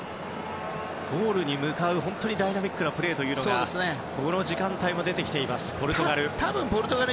ゴールに向かうダイナミックなプレーというのがこの時間帯も出てきていますポルトガル。